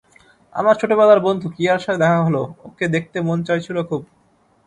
আমার ছোটবেলার বন্ধু কিয়ার সাথে দেখা হলো, ওকে দেখতে মন চাইছিল খুব।